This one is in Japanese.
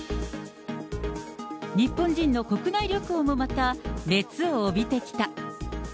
日本人の国内旅行もまた、熱を帯びてきた。